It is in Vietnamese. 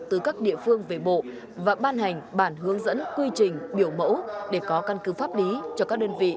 từ các địa phương về bộ và ban hành bản hướng dẫn quy trình biểu mẫu để có căn cứ pháp lý cho các đơn vị